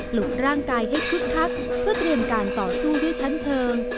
ลุกร่างกายให้คึกคักเพื่อเตรียมการต่อสู้ด้วยชั้นเชิง